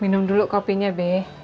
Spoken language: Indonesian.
minum dulu kopinya be